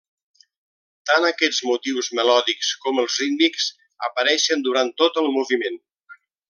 Tant aquests motius melòdics com els rítmics apareixen durant tot el moviment.